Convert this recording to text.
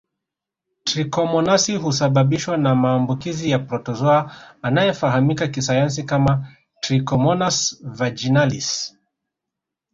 Trikomonasi husababishwa na maambukizi ya protozoa anayefahamika kisayansi kama trichomonas vaginalis